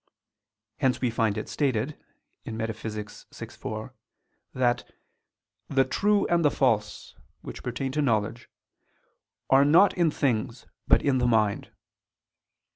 Hence we find it stated (Metaph. vi, 4) that "the true and the false," which pertain to knowledge, "are not in things, but in the mind."